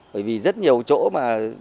bởi vì rất nhiều chỗ mà